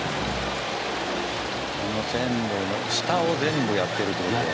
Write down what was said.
この線路の下を全部やってるって事だよね。